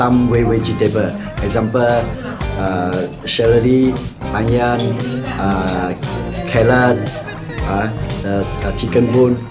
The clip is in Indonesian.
ada beberapa bahan seperti ayam ayam ayam ayam ayam ayam ayam ayam